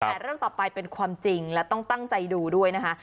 แต่เรื่องต่อไปเป็นความจริงและต้องตั้งใจดูด้วยนะคะ